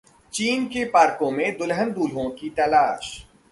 चीन के पार्कों में दुलहन-दूल्हों की तलाश